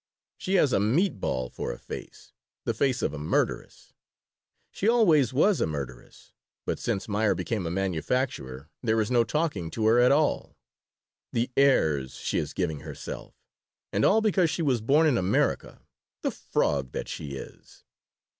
She has a meat ball for a face, the face of a murderess. She always was a murderess, but since Meyer became a manufacturer there is no talking to her at all. The airs she is giving herself! And all because she was born in America, the frog that she is."